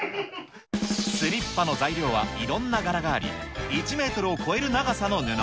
スリッパの材料はいろんな柄があり、１メートルを超える長さの布。